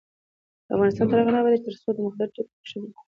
افغانستان تر هغو نه ابادیږي، ترڅو د مخدره توکو کښت او قاچاق ورک نشي.